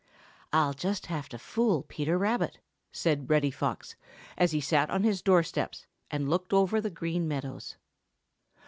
"I'll just have to fool Peter Rabbit," said Reddy Fox, as he sat on his door steps and looked over the Green Meadows.